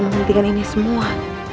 menghentikan ini semua